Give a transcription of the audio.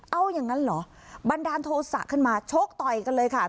เอาอย่างนั้นเหรอบันดาลโทษะขึ้นมาชกต่อยกันเลยค่ะ